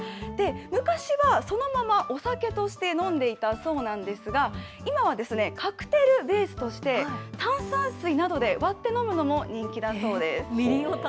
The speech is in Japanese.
昔はそのままお酒として飲んでいたそうなんですが、今はカクテルベースとして、炭酸水などで割って飲むのも人気だそうです。